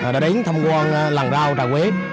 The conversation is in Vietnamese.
đã đến tham quan làng rau trà quế